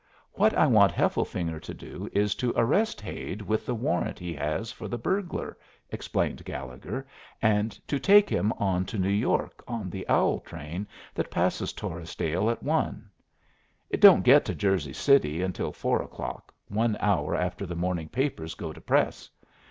"What I want Hefflefinger to do is to arrest Hade with the warrant he has for the burglar," explained Gallegher; "and to take him on to New York on the owl train that passes Torresdale at one. It don't get to Jersey City until four o'clock, one hour after the morning papers go to press.